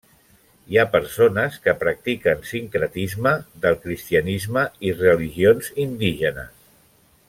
Hi ha persones que practiquen sincretisme del cristianisme i religions indígenes.